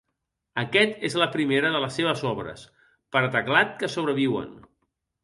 Aquest és la primera de les seves obres per a teclat que sobreviuen.